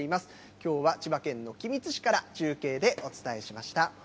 きょうは千葉県の君津市から中継でお伝えしました。